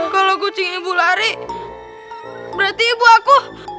kalau kucing ibu lari berarti ibu aku